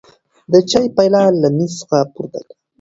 د چای پیاله له مېز څخه پورته کړه.